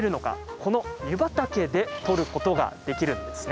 この湯畑で取ることができるんですね。